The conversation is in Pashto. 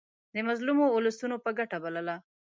د مظلومو اولسونو په ګټه بلله.